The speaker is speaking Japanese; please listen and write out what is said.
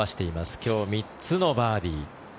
今日、３つのバーディー。